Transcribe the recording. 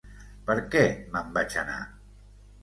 Per què me'n vaig anar?